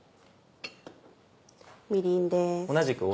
みりんです。